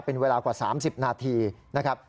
เป็นเวลากว่า๓๐นาทีนะครับ